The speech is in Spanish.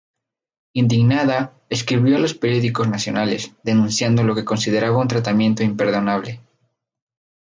Indignada, escribió a los periódicos nacionales, denunciando lo que consideraba un tratamiento imperdonable.